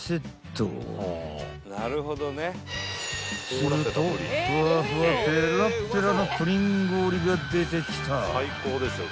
［するとふわふわぺらっぺらのプリン氷が出てきた］